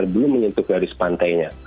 belum menyentuh garis pantainya